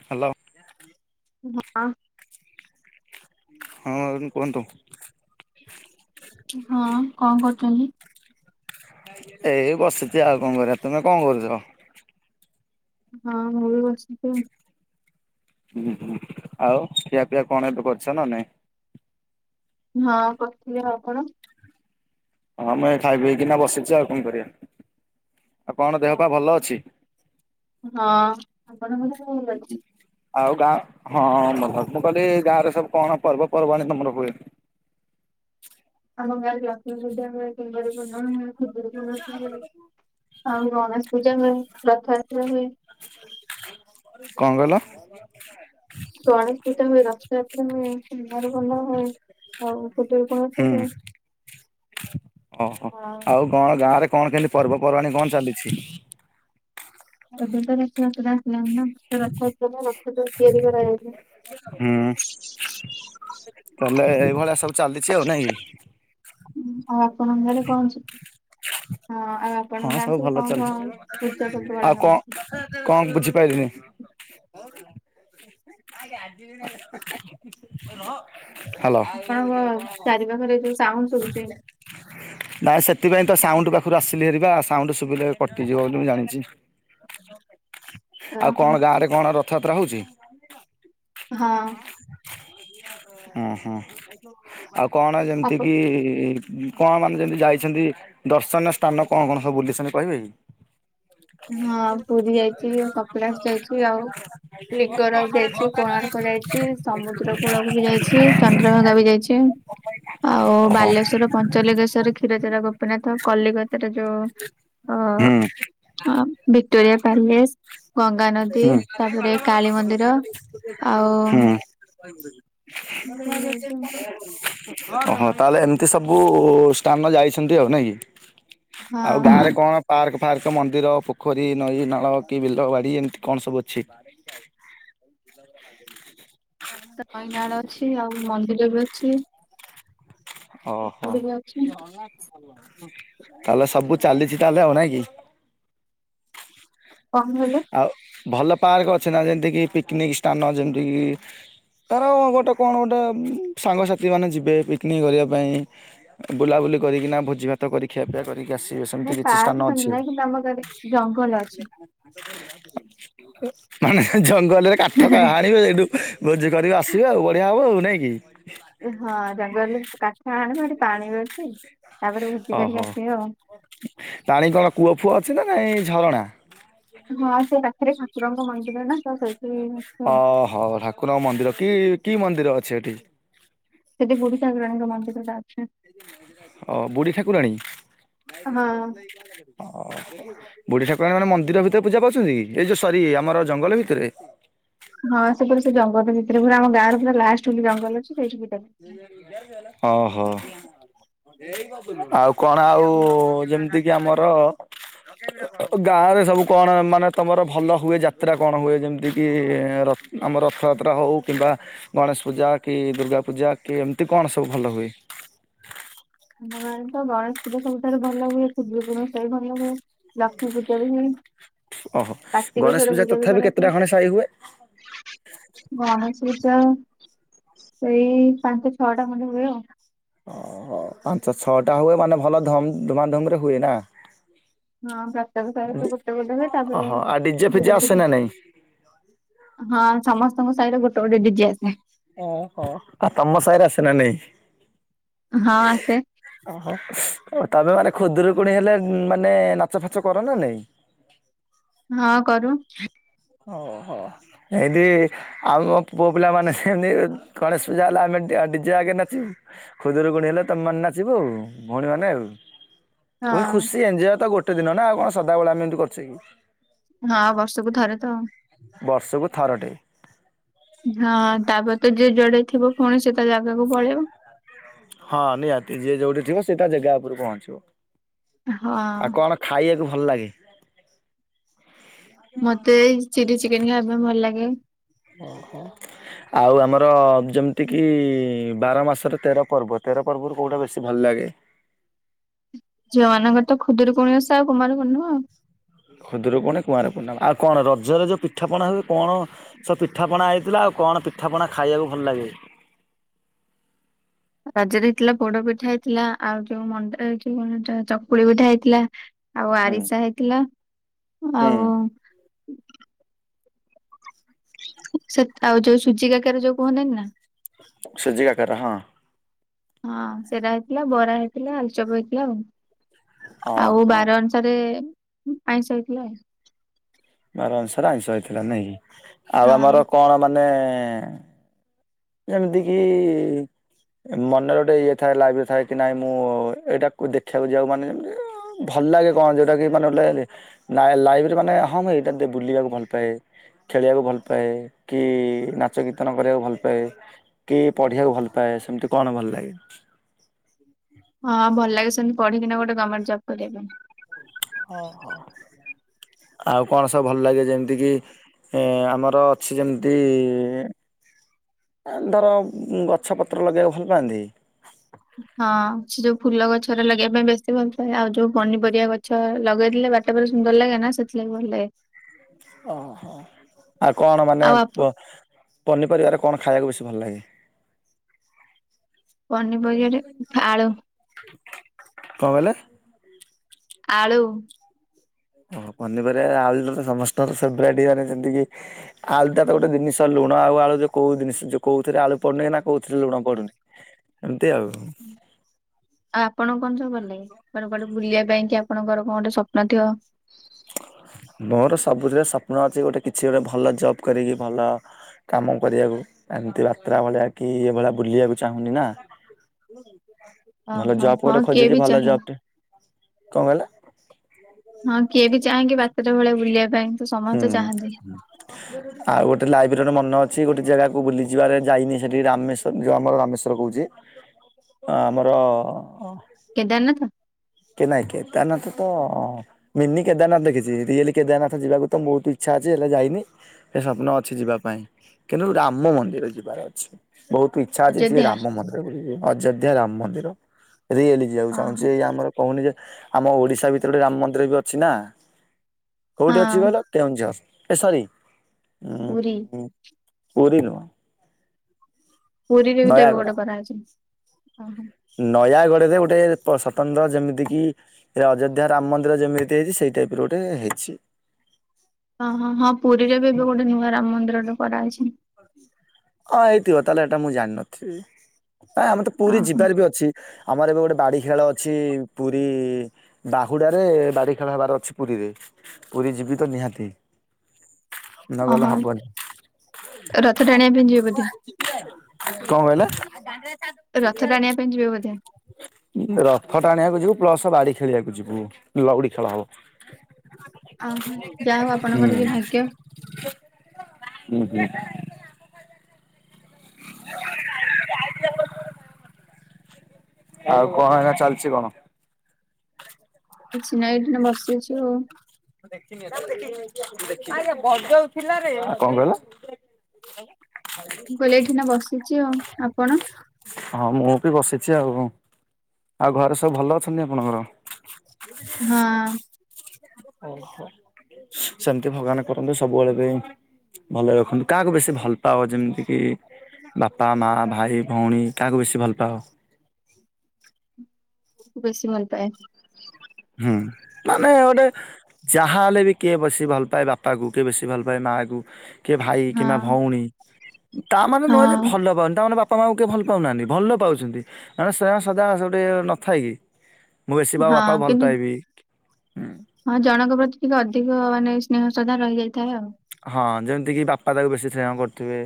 Hello. ହଁ ହଁ ଆହୁରି କୁହନ୍ତୁ। ହଁ କଣ କରୁଛନ୍ତି? ଏଇ ବସିଛି ଆଉ କଣ କରିବା ତୁମେ କଣ କରୁଛ? ହଁ ମୁଁ ବି ବସିଛି। ହୁଁ ହୁଁ ଆଉ ଖିଆ ପିଆ କଣ ଏବେ କରିଛ ନା ନାଇଁ? ହଁ କରଥିଲି ଆଉ ଆପଣ? ହଁ ମୁଁ ଏ ଖାଇ ପିଇକିନା ବସିଛି ଆଉ କଣ କରିବା? ଆଉ କଣ ଦେହ ପା ଭଲ ଅଛି? ହଁ। ଆପଣଙ୍କର ଆଉ ଗାଁ ହଁ ମୁଁ କହିଲି ଗାଁ ରେ ସବୁ କଣ ପର୍ବପର୍ବାଣି ତମର ହୁଏ? [inaudible] ଆମ ଗାଁ ରେ ଲକ୍ଷ୍ମୀ ପୂଜା ହୁଏ କୁଣ୍ଡ ରେ। [unintelligible] ପୂଜା ହୁଏ ରଥଯାତ୍ରା ହୁଏ। କଣ କହିଲ? ଗଣେଶ ପୂଜା ହୁଏ, ରଥଯାତ୍ରା ହୁଏ, କୁମାର ପୁର୍ଣିମା ହୁଏ ଆଉ ଖୁଦୁରୁକୁଣୀ ହୁଁ ଓଷା ହୁଏ। ଓହୋ ଆଉ କଣ ଗାଁ ରେ କଣ କେମିତି ପର୍ବପର୍ବାଣୀ କଣ ଚାଲିଛି? ଏବେ ତ ରଥଯାତ୍ରା। [unintelligible] ତିଆରି ହୁଁ କରାଯାଇଥାଏ। ତାହେଲେ ଏଇଭଳିଆ ସବୁ ଚାଲିଛି ଆଉ ନାଇଁ। ଆଉ ଆପଣଙ୍କ ଘରେ କଣ ଅଛି? ହଁ ସବୁ ଭଲ ଚାଲିଛି, ପୂଜା ପର୍ବ ଆଉ ପାଳନ କରା କଣ କଣ ବୁଝି ପାଇଲିନି? ଆଜି [unintelligible] ରହ। ଆପଣଙ୍କ ଚାରିପଖରେ ଯୋଉ ସାଉଣ୍ଡ ସଭୁଛି। ନାଇଁ ସେଥିପାଇଁ ତ ସାଉଣ୍ଡ ପାଖରୁ ଆସିଲି ହେରିବା ସାଉଣ୍ଡ ସବୁ କଟିଯିବ ବୋଲି ମୁଁ ଜାଣିଛି। ଆଉ ଓହୋ କଣ ଗାଁରେ କଣ ରଥଯାତ୍ରା ହଉଛି? ହଁ ହଁ ହଁ ଆଉ କଣ ଯେମିତି ଅପ କିି? କଣ ମାନେ ଯେମିତି ଯାଇଛନ୍ତି ଦର୍ଶନୀୟ ସ୍ଥାନ କଣ କଣ ସବୁ ବୁଲିଛନ୍ତି କହିବେ କି? ହଁ ପୁରୀ ଯାଇଛି କପିଳାସ ଯାଇଛି ଆଉ ଲିଙ୍ଗରାଜ ଯାଇଛି [unintelligible] କୋଣାର୍କ ଯାଇଛି, ସମୁଦ୍ର କୂଳକୁ ବି ଯାଇଛି, ଚନ୍ଦ୍ରଭାଗା ବି ଯାଇଛି। ଆଉ ଓହୋ ବାଲେଶ୍ଵର ପଞ୍ଚଲିଙ୍ଗେଶ୍ଵର, କ୍ଷୀରଚରା ଗୋପୀନାଥ କଲିକତାରେ ଯୋଉ ହୁଁ। ଆଉ ଭିକଟୋରିଆ ପ୍ୟଲେସ୍। ଗଙ୍ଗା ନଦୀ ହୁଁ। ତାପରେ କାଳୀ ମନ୍ଦିର ଆଉ ହୁଁ ସବୁ ଯାଇଛି। [unintelligible] ଓହୋ ତାହେଲେ ଏମିତି ସବୁ ସ୍ଥାନ ଯାଇଛନ୍ତି ଆଉ ନାଇଁ କି? ଆଉ ଗାଁ ରେ ହଁ କଣ ପାର୍କ ଫାର୍କ, ମନ୍ଦିର, ପୋଖରୀ, ନଈ ନାଳ କି ବିଲ ବାଡି। ଏଇ ଏମତି କଣ ସବୁ ଅଛି? ଗାଁ ରେ ତ ନଇନାଳ ଅଛି ଆଉ ମନ୍ଦିର ବି ଅଛି। ଓହୋ ପୋଖରୀ ବି ଅଛି ତାହେଲେ ସବୁ ଚାଲିଛି ତାହେଲେ ନାଇ? [unintelligible] କଣ କହିଲେ? ଭଲ ପାର୍କ ଅଛି ନା ଯେମତିକି ପିକନିକ୍ ସ୍ଥାନ ଯେମିତି କିି ତାର ଗୋଟେ କଣ ଗୋଟେ ସାଙ୍ଗସାଥି ମାନେ ଯିବେ ପିକନିକ କରିବା ପାଇଁ ବୁଲାବୁଲି କରିକି ନା ଭୋଜି ଭାତ କରି ଖିଆ ପିଆ କରିକି ଆସିବେ ସେମିତି ନାଇଁ କିଛି ସ୍ଥାନ ପାର୍କ ସେମିତି ଅଛି? ନାହିଁ କିନ୍ତୁ ଆମ ଗାଁରେ ଜଙ୍ଗଲ ଅଛି। ମାନେ ଜ ଗଲେ କାଠ ହାଣିବେ ସେଇଠୁ ଭୋଜି କରିକି ଆସିବେ ଆଉ ବଢିଆ ହବ ଆଉ ନାଇଁ କି? ହଁ ଜଙ୍ଗଲରେ କାଠ ଆଣିବା ଏଠି ପାଣି ବି ଅଛି। ତାପରେ ଭୋଜି କରିକି ଓହୋ ଆସିବେ ଆଉ। ପାଣି କଣ କୂଅ ଫୁଅ ଅଛି ନା ନାଇଁ ଝରଣା? ହଁ ସେ ରାତିରେ ଠାକୁରଙ୍କ ମନ୍ଦିର ନା ତା ସହିତ। ଓହୋ ଠାକୁରଙ୍କ ମନ୍ଦିର କି କି ମନ୍ଦିର ଅଛି ଏଠି? ସେଠି ବୁଢୀ ଠାକୁରାଣୀ ଙ୍କ ମନ୍ଦିର ଟା ଅଛି। ହ ବୁଢ଼ୀ ଠାକୁରାଣି ଓ। ହଁ ବୁଢୀ ଠାକୁରାଣୀ ମାନେ ମନ୍ଦିର ଭିତରେ ପୂଜା ପାଉଛନ୍ତି ଏଇ ଯୋଉ ସରି ଆମର ଜଙ୍ଗଲ ଭିତରେ? ହଁ ସେ ପୁରା ସେ ଜଙ୍ଗଲ ଭିତରେ ପୁରା ଆମ ଗାଁ ର ପୁରା ଲାଷ୍ଟ କୁ ଜଙ୍ଗଲ ସେଇଠି ପୂଜା କରିଥିଲେ। ଓହୋ। ଆଉ କଣ ଆଉ ହୁଁ ଯେମିତିକି ଆମର [inaudible] ଗାଁରେ ସବୁ କଣ ମାନେ ତମର ଭଲ ହୁଏ ଯାତ୍ରା କଣ ହୁଏ ଯେମିତି କିି ର ଆମର ରଥଯାତ୍ରା ହେଉ କିମ୍ବା ଗଣେଶ ପୂଜା କି ଦୁର୍ଗା ପୂଜା କି ଏମିତି କଣ ସବୁ ଭଲ ହୁଏ? ଆମ ଗାଁରେ ତ ଗଣେଶ ପୂଜା ସବୁଠାରୁ ଭଲ ହୁଏ। ଖୁଦୁରୁକୁଣି ଓଷା ବି ଭଲ ହୁଏ। ଲକ୍ଷ୍ମୀ ପୂଜା ବି ହୁଏ। ଓହୋ। ଗଣେଶ କାର୍ତ୍ତିକେଶ୍ଵର ପୂଜା ବି ତଥାପି କରାଯାଏ। କେତେଟା ଖଣ୍ଡେ ସାହି ହୁଏ? ଗଣେଶ ପୂଜା ସେଇ ପାଞ୍ଚ ଛଅଟା ଖଣ୍ଡେ ହୁଏ ଆଉ। ଓହୋ। ପାଞ୍ଚ ଛଅଟା ହୁଏ ମାନେ ଭଲ ଧମ୍ ଧୁମାଧୁମ ରେ ହୁଏ ନା। [unintelligible] ତାପରେ। [unintelligible] ଓହୋ ଆଉ ଡିଜେ ଫିଜେ ଆସେ ନା ନାଇଁ? ହଁ ସମସ୍ତଙ୍କ ସାହିରୁ ଗୋଟେ ଗୋଟେ ଡିଜେ ଆସେ। ଓହୋ। ଆଉ ତମ ସାହିରେ ଆସେ ନା ନାଇଁ? ହଁ ଆସେ ଓହୋ ଓ ତମେ ମାନେ ଖୁଦୁରୁକୁଣି ହେଲେ ମାନେ ନାଚ ଫାଚ କର ନା ନାଇଁ? ହଁ କରୁ। ଓହୋ। ଏଇଠି ଆଉ ଆମ ପୁଅ ପିଲାମାନେ ସେମିତି ଗଣେଶ ପୂଜା ହେଲେ ଆମେ ଡ୍ୟା ଡିଜେ ଆଗେ ନାଚିବୁ। ଖୁଦୁରୁକୁଣୀ ହେଲେ ତମେ ମାନେ ନାଚିବ ଆଉ, ଭଉଣୀ ମାନେ ଆଉ। ହଁ ଗୋଟେ ଖୁସି ଏଞ୍ଜୟ ତ ଗୋଟେ ଦିନ ନା ଆଉ ସଦାବେଳେେ ଏମିତି କରୁଚେ କି। ହଁ ବର୍ଷକୁ ଥରେ ତ। ବର୍ଷକୁ ଥରଟେ। ହଁ ତାପରେ ତ ଯେ ଯୁଆଡେ ଥିବ ଫୁଣି ସେ ତା ଜାଗାକୁ ପଳେଇବ। ହଁ ନିହାତି ଯିଏ ଯୋଉଠି ଥିବ ସେ ତା ଜେଗା ଉପରୁ ହଁ ପହଞ୍ଚିବ। ଆଉ କଣ ଖାଇବାକୁ ଭଲ ଲାଗେ? ମତେ ଚିଲି ଚିକେନ ଖାଇବା ପାଇଁ ଭଲ ଲାଗେ। ଓ ହୋ। ଆଉ ଆମର ଯେମିତି କିି ବାର ମାସରେ ତେର ପର୍ବ ଥା ତେର ପର୍ବରୁ କୋଉଟା ବେଶୀ ଭଲ ଲାଗେ? [inaudible] ଝିଅ ମାନଙ୍କର ତ ଖୁଦୁରୁକୁଣୀ ଓଷା ଆଉ କୁମାର ପୁର୍ଣିମା ଆଉ। ଖୁଦୁରୁକୁଣି, କୁଆଁର ପୁର୍ଣିମା ଆଉ କଣ ରଜରେ ଯୋଉ ପିଠାପଣା ହୁଏ କଣ ସେ ପିଠାପଣା ହେଇଥିଲା ଆଉ କଣ ପିଠାପଣା ଖାଇବାକୁ ଭଲ ଲାଗେ? [inaudible] ରଜରେ ହେଇଥିଲା ପୋଡ ପିଠା ହେଇଥିଲା ଆଉ ଯୋଉ ମଣ୍ଡା କଣ ଯଉ ଏଇଟା ଚକୁଳି ପିଠା ହେଇଥିଲା। ଆଉ ହୁଁ ଆରିସା ହେଇଥିଲା। ହୁଁ ଆଉ ସେ ଆଉ ଯୋଉ ସୁଜି କାକାର ଯୋଉ କୁହନ୍ତି ନି ନା ସୁଜି କାକରା ହଁ। ହଁ। ସେରା ହେଇଥିଲା ବରା ହେଇଥିଲା ଆଳୁ ଚପ ହେଇଥିଲା ଆଉ। ହଁ ଆଉ ହଁ ବାର ଅନୁସାରେ ଆଇଁଷ ହେଇଥିଲା। ବାର ଅନୁସାରେ ଆଇଁଷ ହେଇଥିଲା ନାଇଁ। ଆଉ ହଁ। ଆମର କଣ ମାନେ ଯେମିତି କିି ମନରେ ଗୋଟେ ଇଏ ଥାଏ ଲାଗୁ ଥାଏ କି ନାଇଁ ମୁଁ ଏଇଟାକୁ ଦେଖିବାକୁ ଯିବାକୁ ମାନେ ଭ ଭଲ ଲାଗେ କଣ ଯଉଟା କି ମାନେ ଗୋଟେ ଲାଇଫ ରେ ମାନେ ହଁ ମୁଁ ଏଇଟାକୁ ବୁଲିବାକୁ ଭଲ ପାଏ। ଖେଳିବାକୁ ଭଲ ପାଏ କି ନାଚ କୀର୍ତ୍ତନ କରିବାକୁ ଭଲ ପାଏ। କି ପଢିବାକୁ ଭଲ ପାଏ। ସେମିତି କଣ ଭଲ ଲାଗେ? ହଁ ଭଲ ଲାଗେ ସେମିତି ପଢିକିନା ଗୋଟେ ଗମେଣ୍ଟ ଜବ୍ କରିବା ପାଇଁ। ଓ ହୋ। ଆଉ କଣ ସବୁ ଭଲ ଲାଗେ ଯେମିତି କିି ଏ ଆମର ଅଛି ଯେମିତି ଧର ଗଛ ପତ୍ର ଲଗେଇବାକୁ ଭଲ ପାଆନ୍ତି? ପାଇଁ ହଁ ସେ ଯୋଉ ଫୁଲ ଗଛରେ ଲଗେଇବା ପାଇଁ ବେଶୀ ଭଲ ପାଏ ଆଉ ଯୋଉ ପନିପରିବା ଗଛ ଲଗେଇଦେଲେ ବାରିଟା ପୂରା ସୁନ୍ଦର ଲାଗେ ନା ସେଥିଲାଗି ଭଲ ଲାଗେ। ଓହୋ ଆଉ କଣ ମାନେ ଆଉ ଆପ ପନିପରିବାରେ କଣ ଖାଇବାକୁ ଭଲ ଲାଗେ? ପନିପରିବାରେ ଆଳୁ। କଣ କହିଲେ? ଆଳୁ। ଓ ପନିପରିବା ଆଉ ସମସ୍ତଙ୍କ ଫୋବରାଇଟ ଯେମତି କି ଆଳୁ ଟା ତ ଗୋଟେ ଜିନିଷ। ଲୁଣ ଆଉ ଆଳୁରେ କୋଉ ଜିନିଷ କୋଉଥିରେ ଆଳୁ ପଡୁନି ନା କୋଉଥିରେ ଲୁଣ ପଡୁନି ଏମିତି ଆଉ। ହୁଁ। ଆଉ ଆପଣକୁ କଣ ସବୁ ଭଲ ଲାଗେ ମାନେ କୁଆଡେ ବୁଲିବା ପାଇଁ କି ଆପଣଙ୍କର କଣ ଗୋଟେ ସ୍ୱପ୍ନ ଥିବ। ମୋର ସବୁଥିରେ ସ୍ୱପ୍ନ ଅଛି ଗୋଟେ କିଛି ଗୋଟେ ଭଲ ଜବ କରିକି ଭଲ କାମ କରିବାକୁ। ଏମତି ବାତ୍ରା ଭଳିଆ କି ଏ ଭଳିଆ ବୁଲିବାକୁ ଚାହୁଁନି ନା। ହଁ ଭଲ ହଁ ଜବ୍ ହଁ ଗୋଟେ କିଏ ବି ଖୋଜଛି ଭଲ ଚାହେଁ ଜବ ଟେ କଣ କହିଲା? ହଁ କିଏ ବି ଚାହେଁକି ବାତ୍ରା ଭଳିଆ ବୁଲିବା ପାଇଁ। ତ ସମସ୍ତେ ହୁଁ ଚାହାନ୍ତି ଆଉ ଗୋଟେ ଲାଇବ୍ରେରୀର ମନ ଅ କିଛି ଗୋଟେ ଜାଗାକୁ ବୁଲିଯିବାରେ ଯାଇନି ସେଠି ରାମେଶଵର ଯୋଉ ଆମର ରାମେଶ୍ଵର କହୁଚି। ହଁ ଆମର କେଦାର ନାଥା? କେ ନାଇଁ କେଦାରନାଥ ତ ମିନି କେଦାରନାଥ ଦେଖିଚି ରିଏଲ୍ କେଦାରନାଥ ଯିବାକୁ ତ ବହୁତ ଇଛା। ଆଯି ହେଲେ ଯାଇନି ହେଲେ ଏ ସ୍ବପ୍ନ ଅଛି ଯିବା ପାଇଁ କିନ୍ତୁ ରାମ ମନ୍ଦିର ଯିବାର ଅଛି। ବହୁତ ଇଛା ଅଛି ସିଏ ଅଯୋଧ୍ୟା ରାମ ମନ୍ଦିର ବୁଲିଯିବି ଅଯୋଧ୍ୟା ରାମ ମନ୍ଦିର। ରିଏଲି ଯିବାକୁ ଅହ ଚାହୁଁଛି ଏଇ ଆମର କହୁନି ଆମ ଓଡିଶା ଭିତରେ ଗୋଟେ ରାମ ମନ୍ଦିର ବି ଅଛି ନା କୋଉଠି ଅଛି ହଁ କହିଲ କେଉଁଝର। ଏ ସରି ପୁରୀ। ଉଁ ପୁରୀ ନୁହଁ। ପୁରୀରେ ବି ଦେଙ୍ଗଡ କରାହେଇଚି ଅହଁ। ନୟାଗଡରେ ଗୋଟେ ସତନ୍ତ୍ର ଯେମିତି କିି ଅଯୋଧ୍ୟା ରାମ ମନ୍ଦିର ଯେମିତି ହେଇଚି ସେଇ ଏଇ ଟାଇପ୍ ର ଗୋଟେ ହେଇଛି। ହ ହଁ ହଁ ପୁରୀରେ ବି ଏବେ ଗୋଟେ ନୂଆ ରାମ ମନ୍ଦିର ଟେ କରାହେଇଚି। ହଁ ହେଇଥିବ ତାହଲେ ଏଟା ମୁଁ ଜାଣିନଥିବି। ନାଇଁ ଆମେ ତ ପୁରୀ ଓହୋ ଯିବାର ବି ଅଛି ଆମର ଏବେ ଗୋଟେ ବାଡ଼ି ଖେଳ ଅଛି ପୁରୀ ବାହୁଡ଼ା ରେ ବାଡ଼ି ଖେଳ ହେବାର ଅଛି ପୁରୀରେ। ପୁରୀ ଜୀବିତ ନିହାତି। [inaudible] ନ ଗଲେ ଓହୋ ହବନି। ରଥ ଟାଣିବା ପାଇଁ ଯିବେ ବୋଧେ କଣ କଇଲେ? ରଥ ଟାଣିବା ପାଇଁ ଯିବେ ବୋଧେ। ରଥ ଟା ଟାଣିବାକୁ ଯିବୁ ପ୍ଲସ ବାଡ଼ି ଖେଳିବାକୁ ଯିବୁ ଲଉଡ଼ି ଖେଳ ହବ। ଓହୋ ଯାହା ହଉ ଆପଣଙ୍କର ହୁଁ କି ଭାଗ୍ୟ ହୁଁ ହୁଁ। ଆଉ କଣ ଏଇନା ଚାଲିଚି କଣ? କିଛି ନାଇଁ ଏଖିଣା ବସିଚୁ ଆଉ। [inaudible] କଣ କହିଲ? [inaudible] ଚିଅ ଆପଣ? ହଁ ମୁଁ ବି ବସିଛି ଆଉ। ଆଉ ଘରେ ସବୁ ଭଲ ଅଛନ୍ତି ଆପଣଙ୍କର? ହଁ। [inaudible] ସେମିତି ଭଗବାନ କରନ୍ତୁ ସବୁବେଳେ ପାଇଁ ଭଲରେ ରଖନ୍ତୁ। କାହାକୁ ବେଶୀ ଭଲ ପାଅ ଯେମିତି କି? ବାପା, ମା, ଭାଇ, ଭଉଣୀ କାହାକୁ ବେଶୀ ଭଲ ପାଅ? [inaudible] ବେଶୀ ଭଲ ପାଏ। ହୁଁ ମାନେ ଗୋଟେ ଯାହା ହେଲେ ବି, କିଏ ବେଶି ଭଲ ପାଏ ବାପାକୁ, କିଏ ବେଶି ଭଲ ପାଏ ମା କୁ କିଏ ଭାଇ, କିମ୍ବା ହଁ ଭଉଣୀ ତା ମାନେ ନୁହେଁ ଯେ ହଁ ଭଲ ପାଅନି। ତା ମାନେ ବାପା ବାପା ମାଙ୍କୁ କିଏ ଭଲ ପାଉନାହାନ୍ତି, ଭଲ ପାଉଛନ୍ତି। ମାନେ ସ୍ନେହ ଶ୍ରଦ୍ଧା ସବୁଠି ନଥାଏ କିି। ମୁଁ ବେଶୀ ମୋ ବାପାକୁ ହଁ ଭଲ କିନ୍ତୁ ପାଇବି ହୁଁ। ହଁ ଜଣଙ୍କ ପ୍ରତି ଟିକେ ଅଧିକ, ମାନେ ସ୍ନେହ ଶ୍ରଦ୍ଧା ରହିଯାଇଥାଏ ଆଉ। ହଁ ଯେମିତିକି ବାପା ଯାହାକୁ ବେଶୀ ସ୍ନେହ କରୁଥିବେ।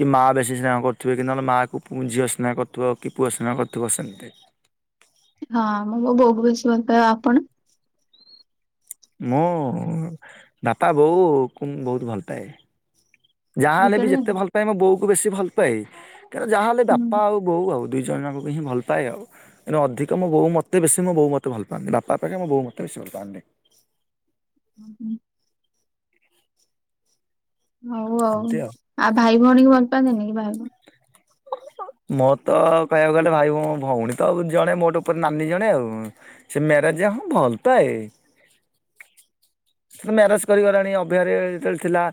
କି ମାଆ ବେଶୀ ସ୍ନେହ କରୁଥିବେ, କି ନହେଲେ ମାକୁୁ ପୁ ଝିଅ ସ୍ନେହ କରୁଥିବ କି ପୁଅ ସ୍ନେହ କରୁଥିବ ସେମିତି। ହଁ- ମୁଁ ବୋଉକୁ ବେଶୀ ଭଲ ପାଏ। ଆଉ ଆପଣ? ମୁଁ ବାପା ବୋଉକୁ ବହୁତୁ ଭଲ ପାଏ। ଯାହା ଦି ହେଲେ ଜଣ ବି, ଯାକ? ଯେତେ ଭଲ ପାଏ ମୋ ବୋଉକୁ ବେଶୀ ଭଲ ପାଏ। କାରଣ ଯାହା ହେଲେ, ବାପା ଆଉ ବୋଉ ଆଉ ଦୁଇ ଜଣ ଜାଙ୍କୁ ହିଁ ଭଲ ପାଏ ଆଉ। ଅଧିକ ମୋ ବୋଉ ମତେ ବେଶୀ ମୋ ବୋଉ ମତେ ଭଲ ପାଆନ୍ତି। ବାପା ଅପେକ୍ଷା, ମୋ ବୋଉ ମତେ ବେଶୀ ଭଲ ପାଆନ୍ତି। ହୁଁ - ହୁଁ। ହଉ ଆଉ, ଆଉ ଭାଇ ଭଉଣୀକୁ ଭଲ ପାଆନ୍ତିନି କି? ଭାଇ ଭଉଣୀ ମୋର ତ କହିବାକୁ ଗଲେ, ଭାଇ ଭଉଣୀ ତ ଜଣେ ମୋଟେ ଉପରେ ନାନୀ ଜଣେ ଆଉ। ସେ ମ୍ୟାରେଜ ଯେ ହଁ ଭଲ ପାଏ। ମ୍ୟାରେଜ କରିଗଲାଣି, ଅଭିଆରି ଯେତେବେଳେ ଥିଲା।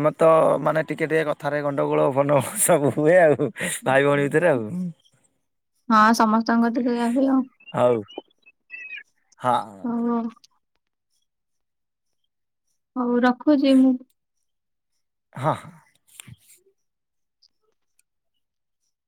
ଆମର ତ ମାନେ ଟିକେ ଟିକେ କଥାରେ ଗଣ୍ଡ ଗୋ ଳ ଫଣ୍ଡ ଗୋଳ ସବୁ ହୁଏ ଆଉ, ଭାଇ ଭଉଣୀ ଭିତରେ ଆଉ। ହଁ ସମସ୍ତଙ୍କର ତ ଏଇଆ ହୁଏ ଆଉ। ହଉ ଆଉ। ହଉ ରଖୁଛି ମୁଁ। ହଁ।